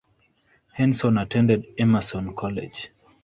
Henson attended Emerson College.